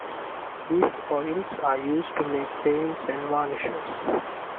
These oils are used to make paints and varnishes.